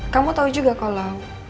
kamu tau juga kalo